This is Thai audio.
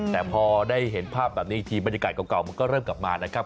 แต่พอได้เห็นภาพแบบนี้อีกทีบรรยากาศเก่ามันก็เริ่มกลับมานะครับ